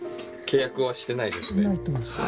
契約はしてないですね。